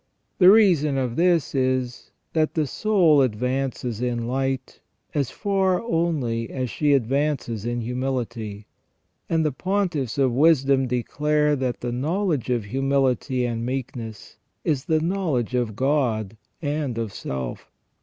The reason of this is, that the soul advances in light as far only as she advances in humility ; and the pontiffs of wisdom declare that the knowledge of humility and meekness is the knowledge of God and of self.